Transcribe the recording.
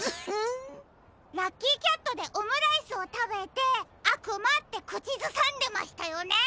ラッキーキャットでオムライスをたべて「あくま」ってくちずさんでましたよね？